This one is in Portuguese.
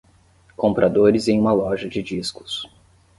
Compradores em uma loja de discos.